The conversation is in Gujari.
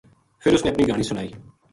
فِر اِس نے اپنی گھانی سنا ئی